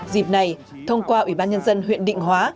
dịp này thông qua ủy ban nhân dân huyện định hóa